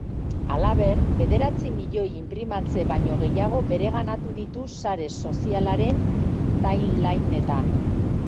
Halaber, bederatzi milioi inprimatze baino gehiago bereganatu ditu sare sozialaren timeline-etan.